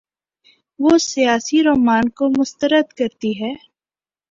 وہ سیاسی رومان کو مسترد کرتی ہے۔